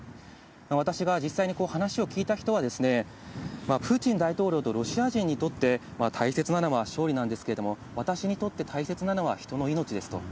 私が実際に話を聞いた人は、プーチン大統領とロシア人にとって、大切なのは勝利なんですけれども、私にとって大切なのは人の命ですと。